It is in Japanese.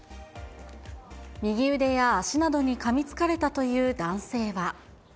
右腕や足などにかみつかれたという男性は。